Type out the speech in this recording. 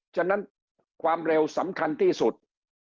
ฉะนั้นความเร็วสำคัญที่สุด